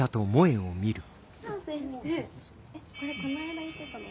先生これこの間言ってたの。